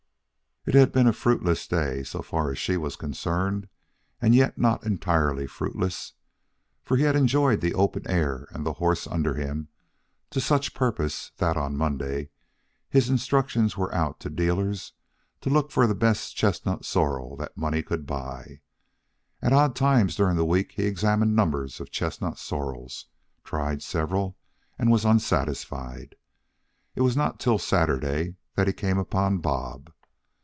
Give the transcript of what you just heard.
It had been a fruitless day, so far as she was concerned; and yet not entirely fruitless, for he had enjoyed the open air and the horse under him to such purpose that, on Monday, his instructions were out to the dealers to look for the best chestnut sorrel that money could buy. At odd times during the week he examined numbers of chestnut sorrels, tried several, and was unsatisfied. It was not till Saturday that he came upon Bob.